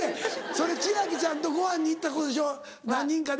それ千秋ちゃんとご飯に行ったことでしょ何人かで。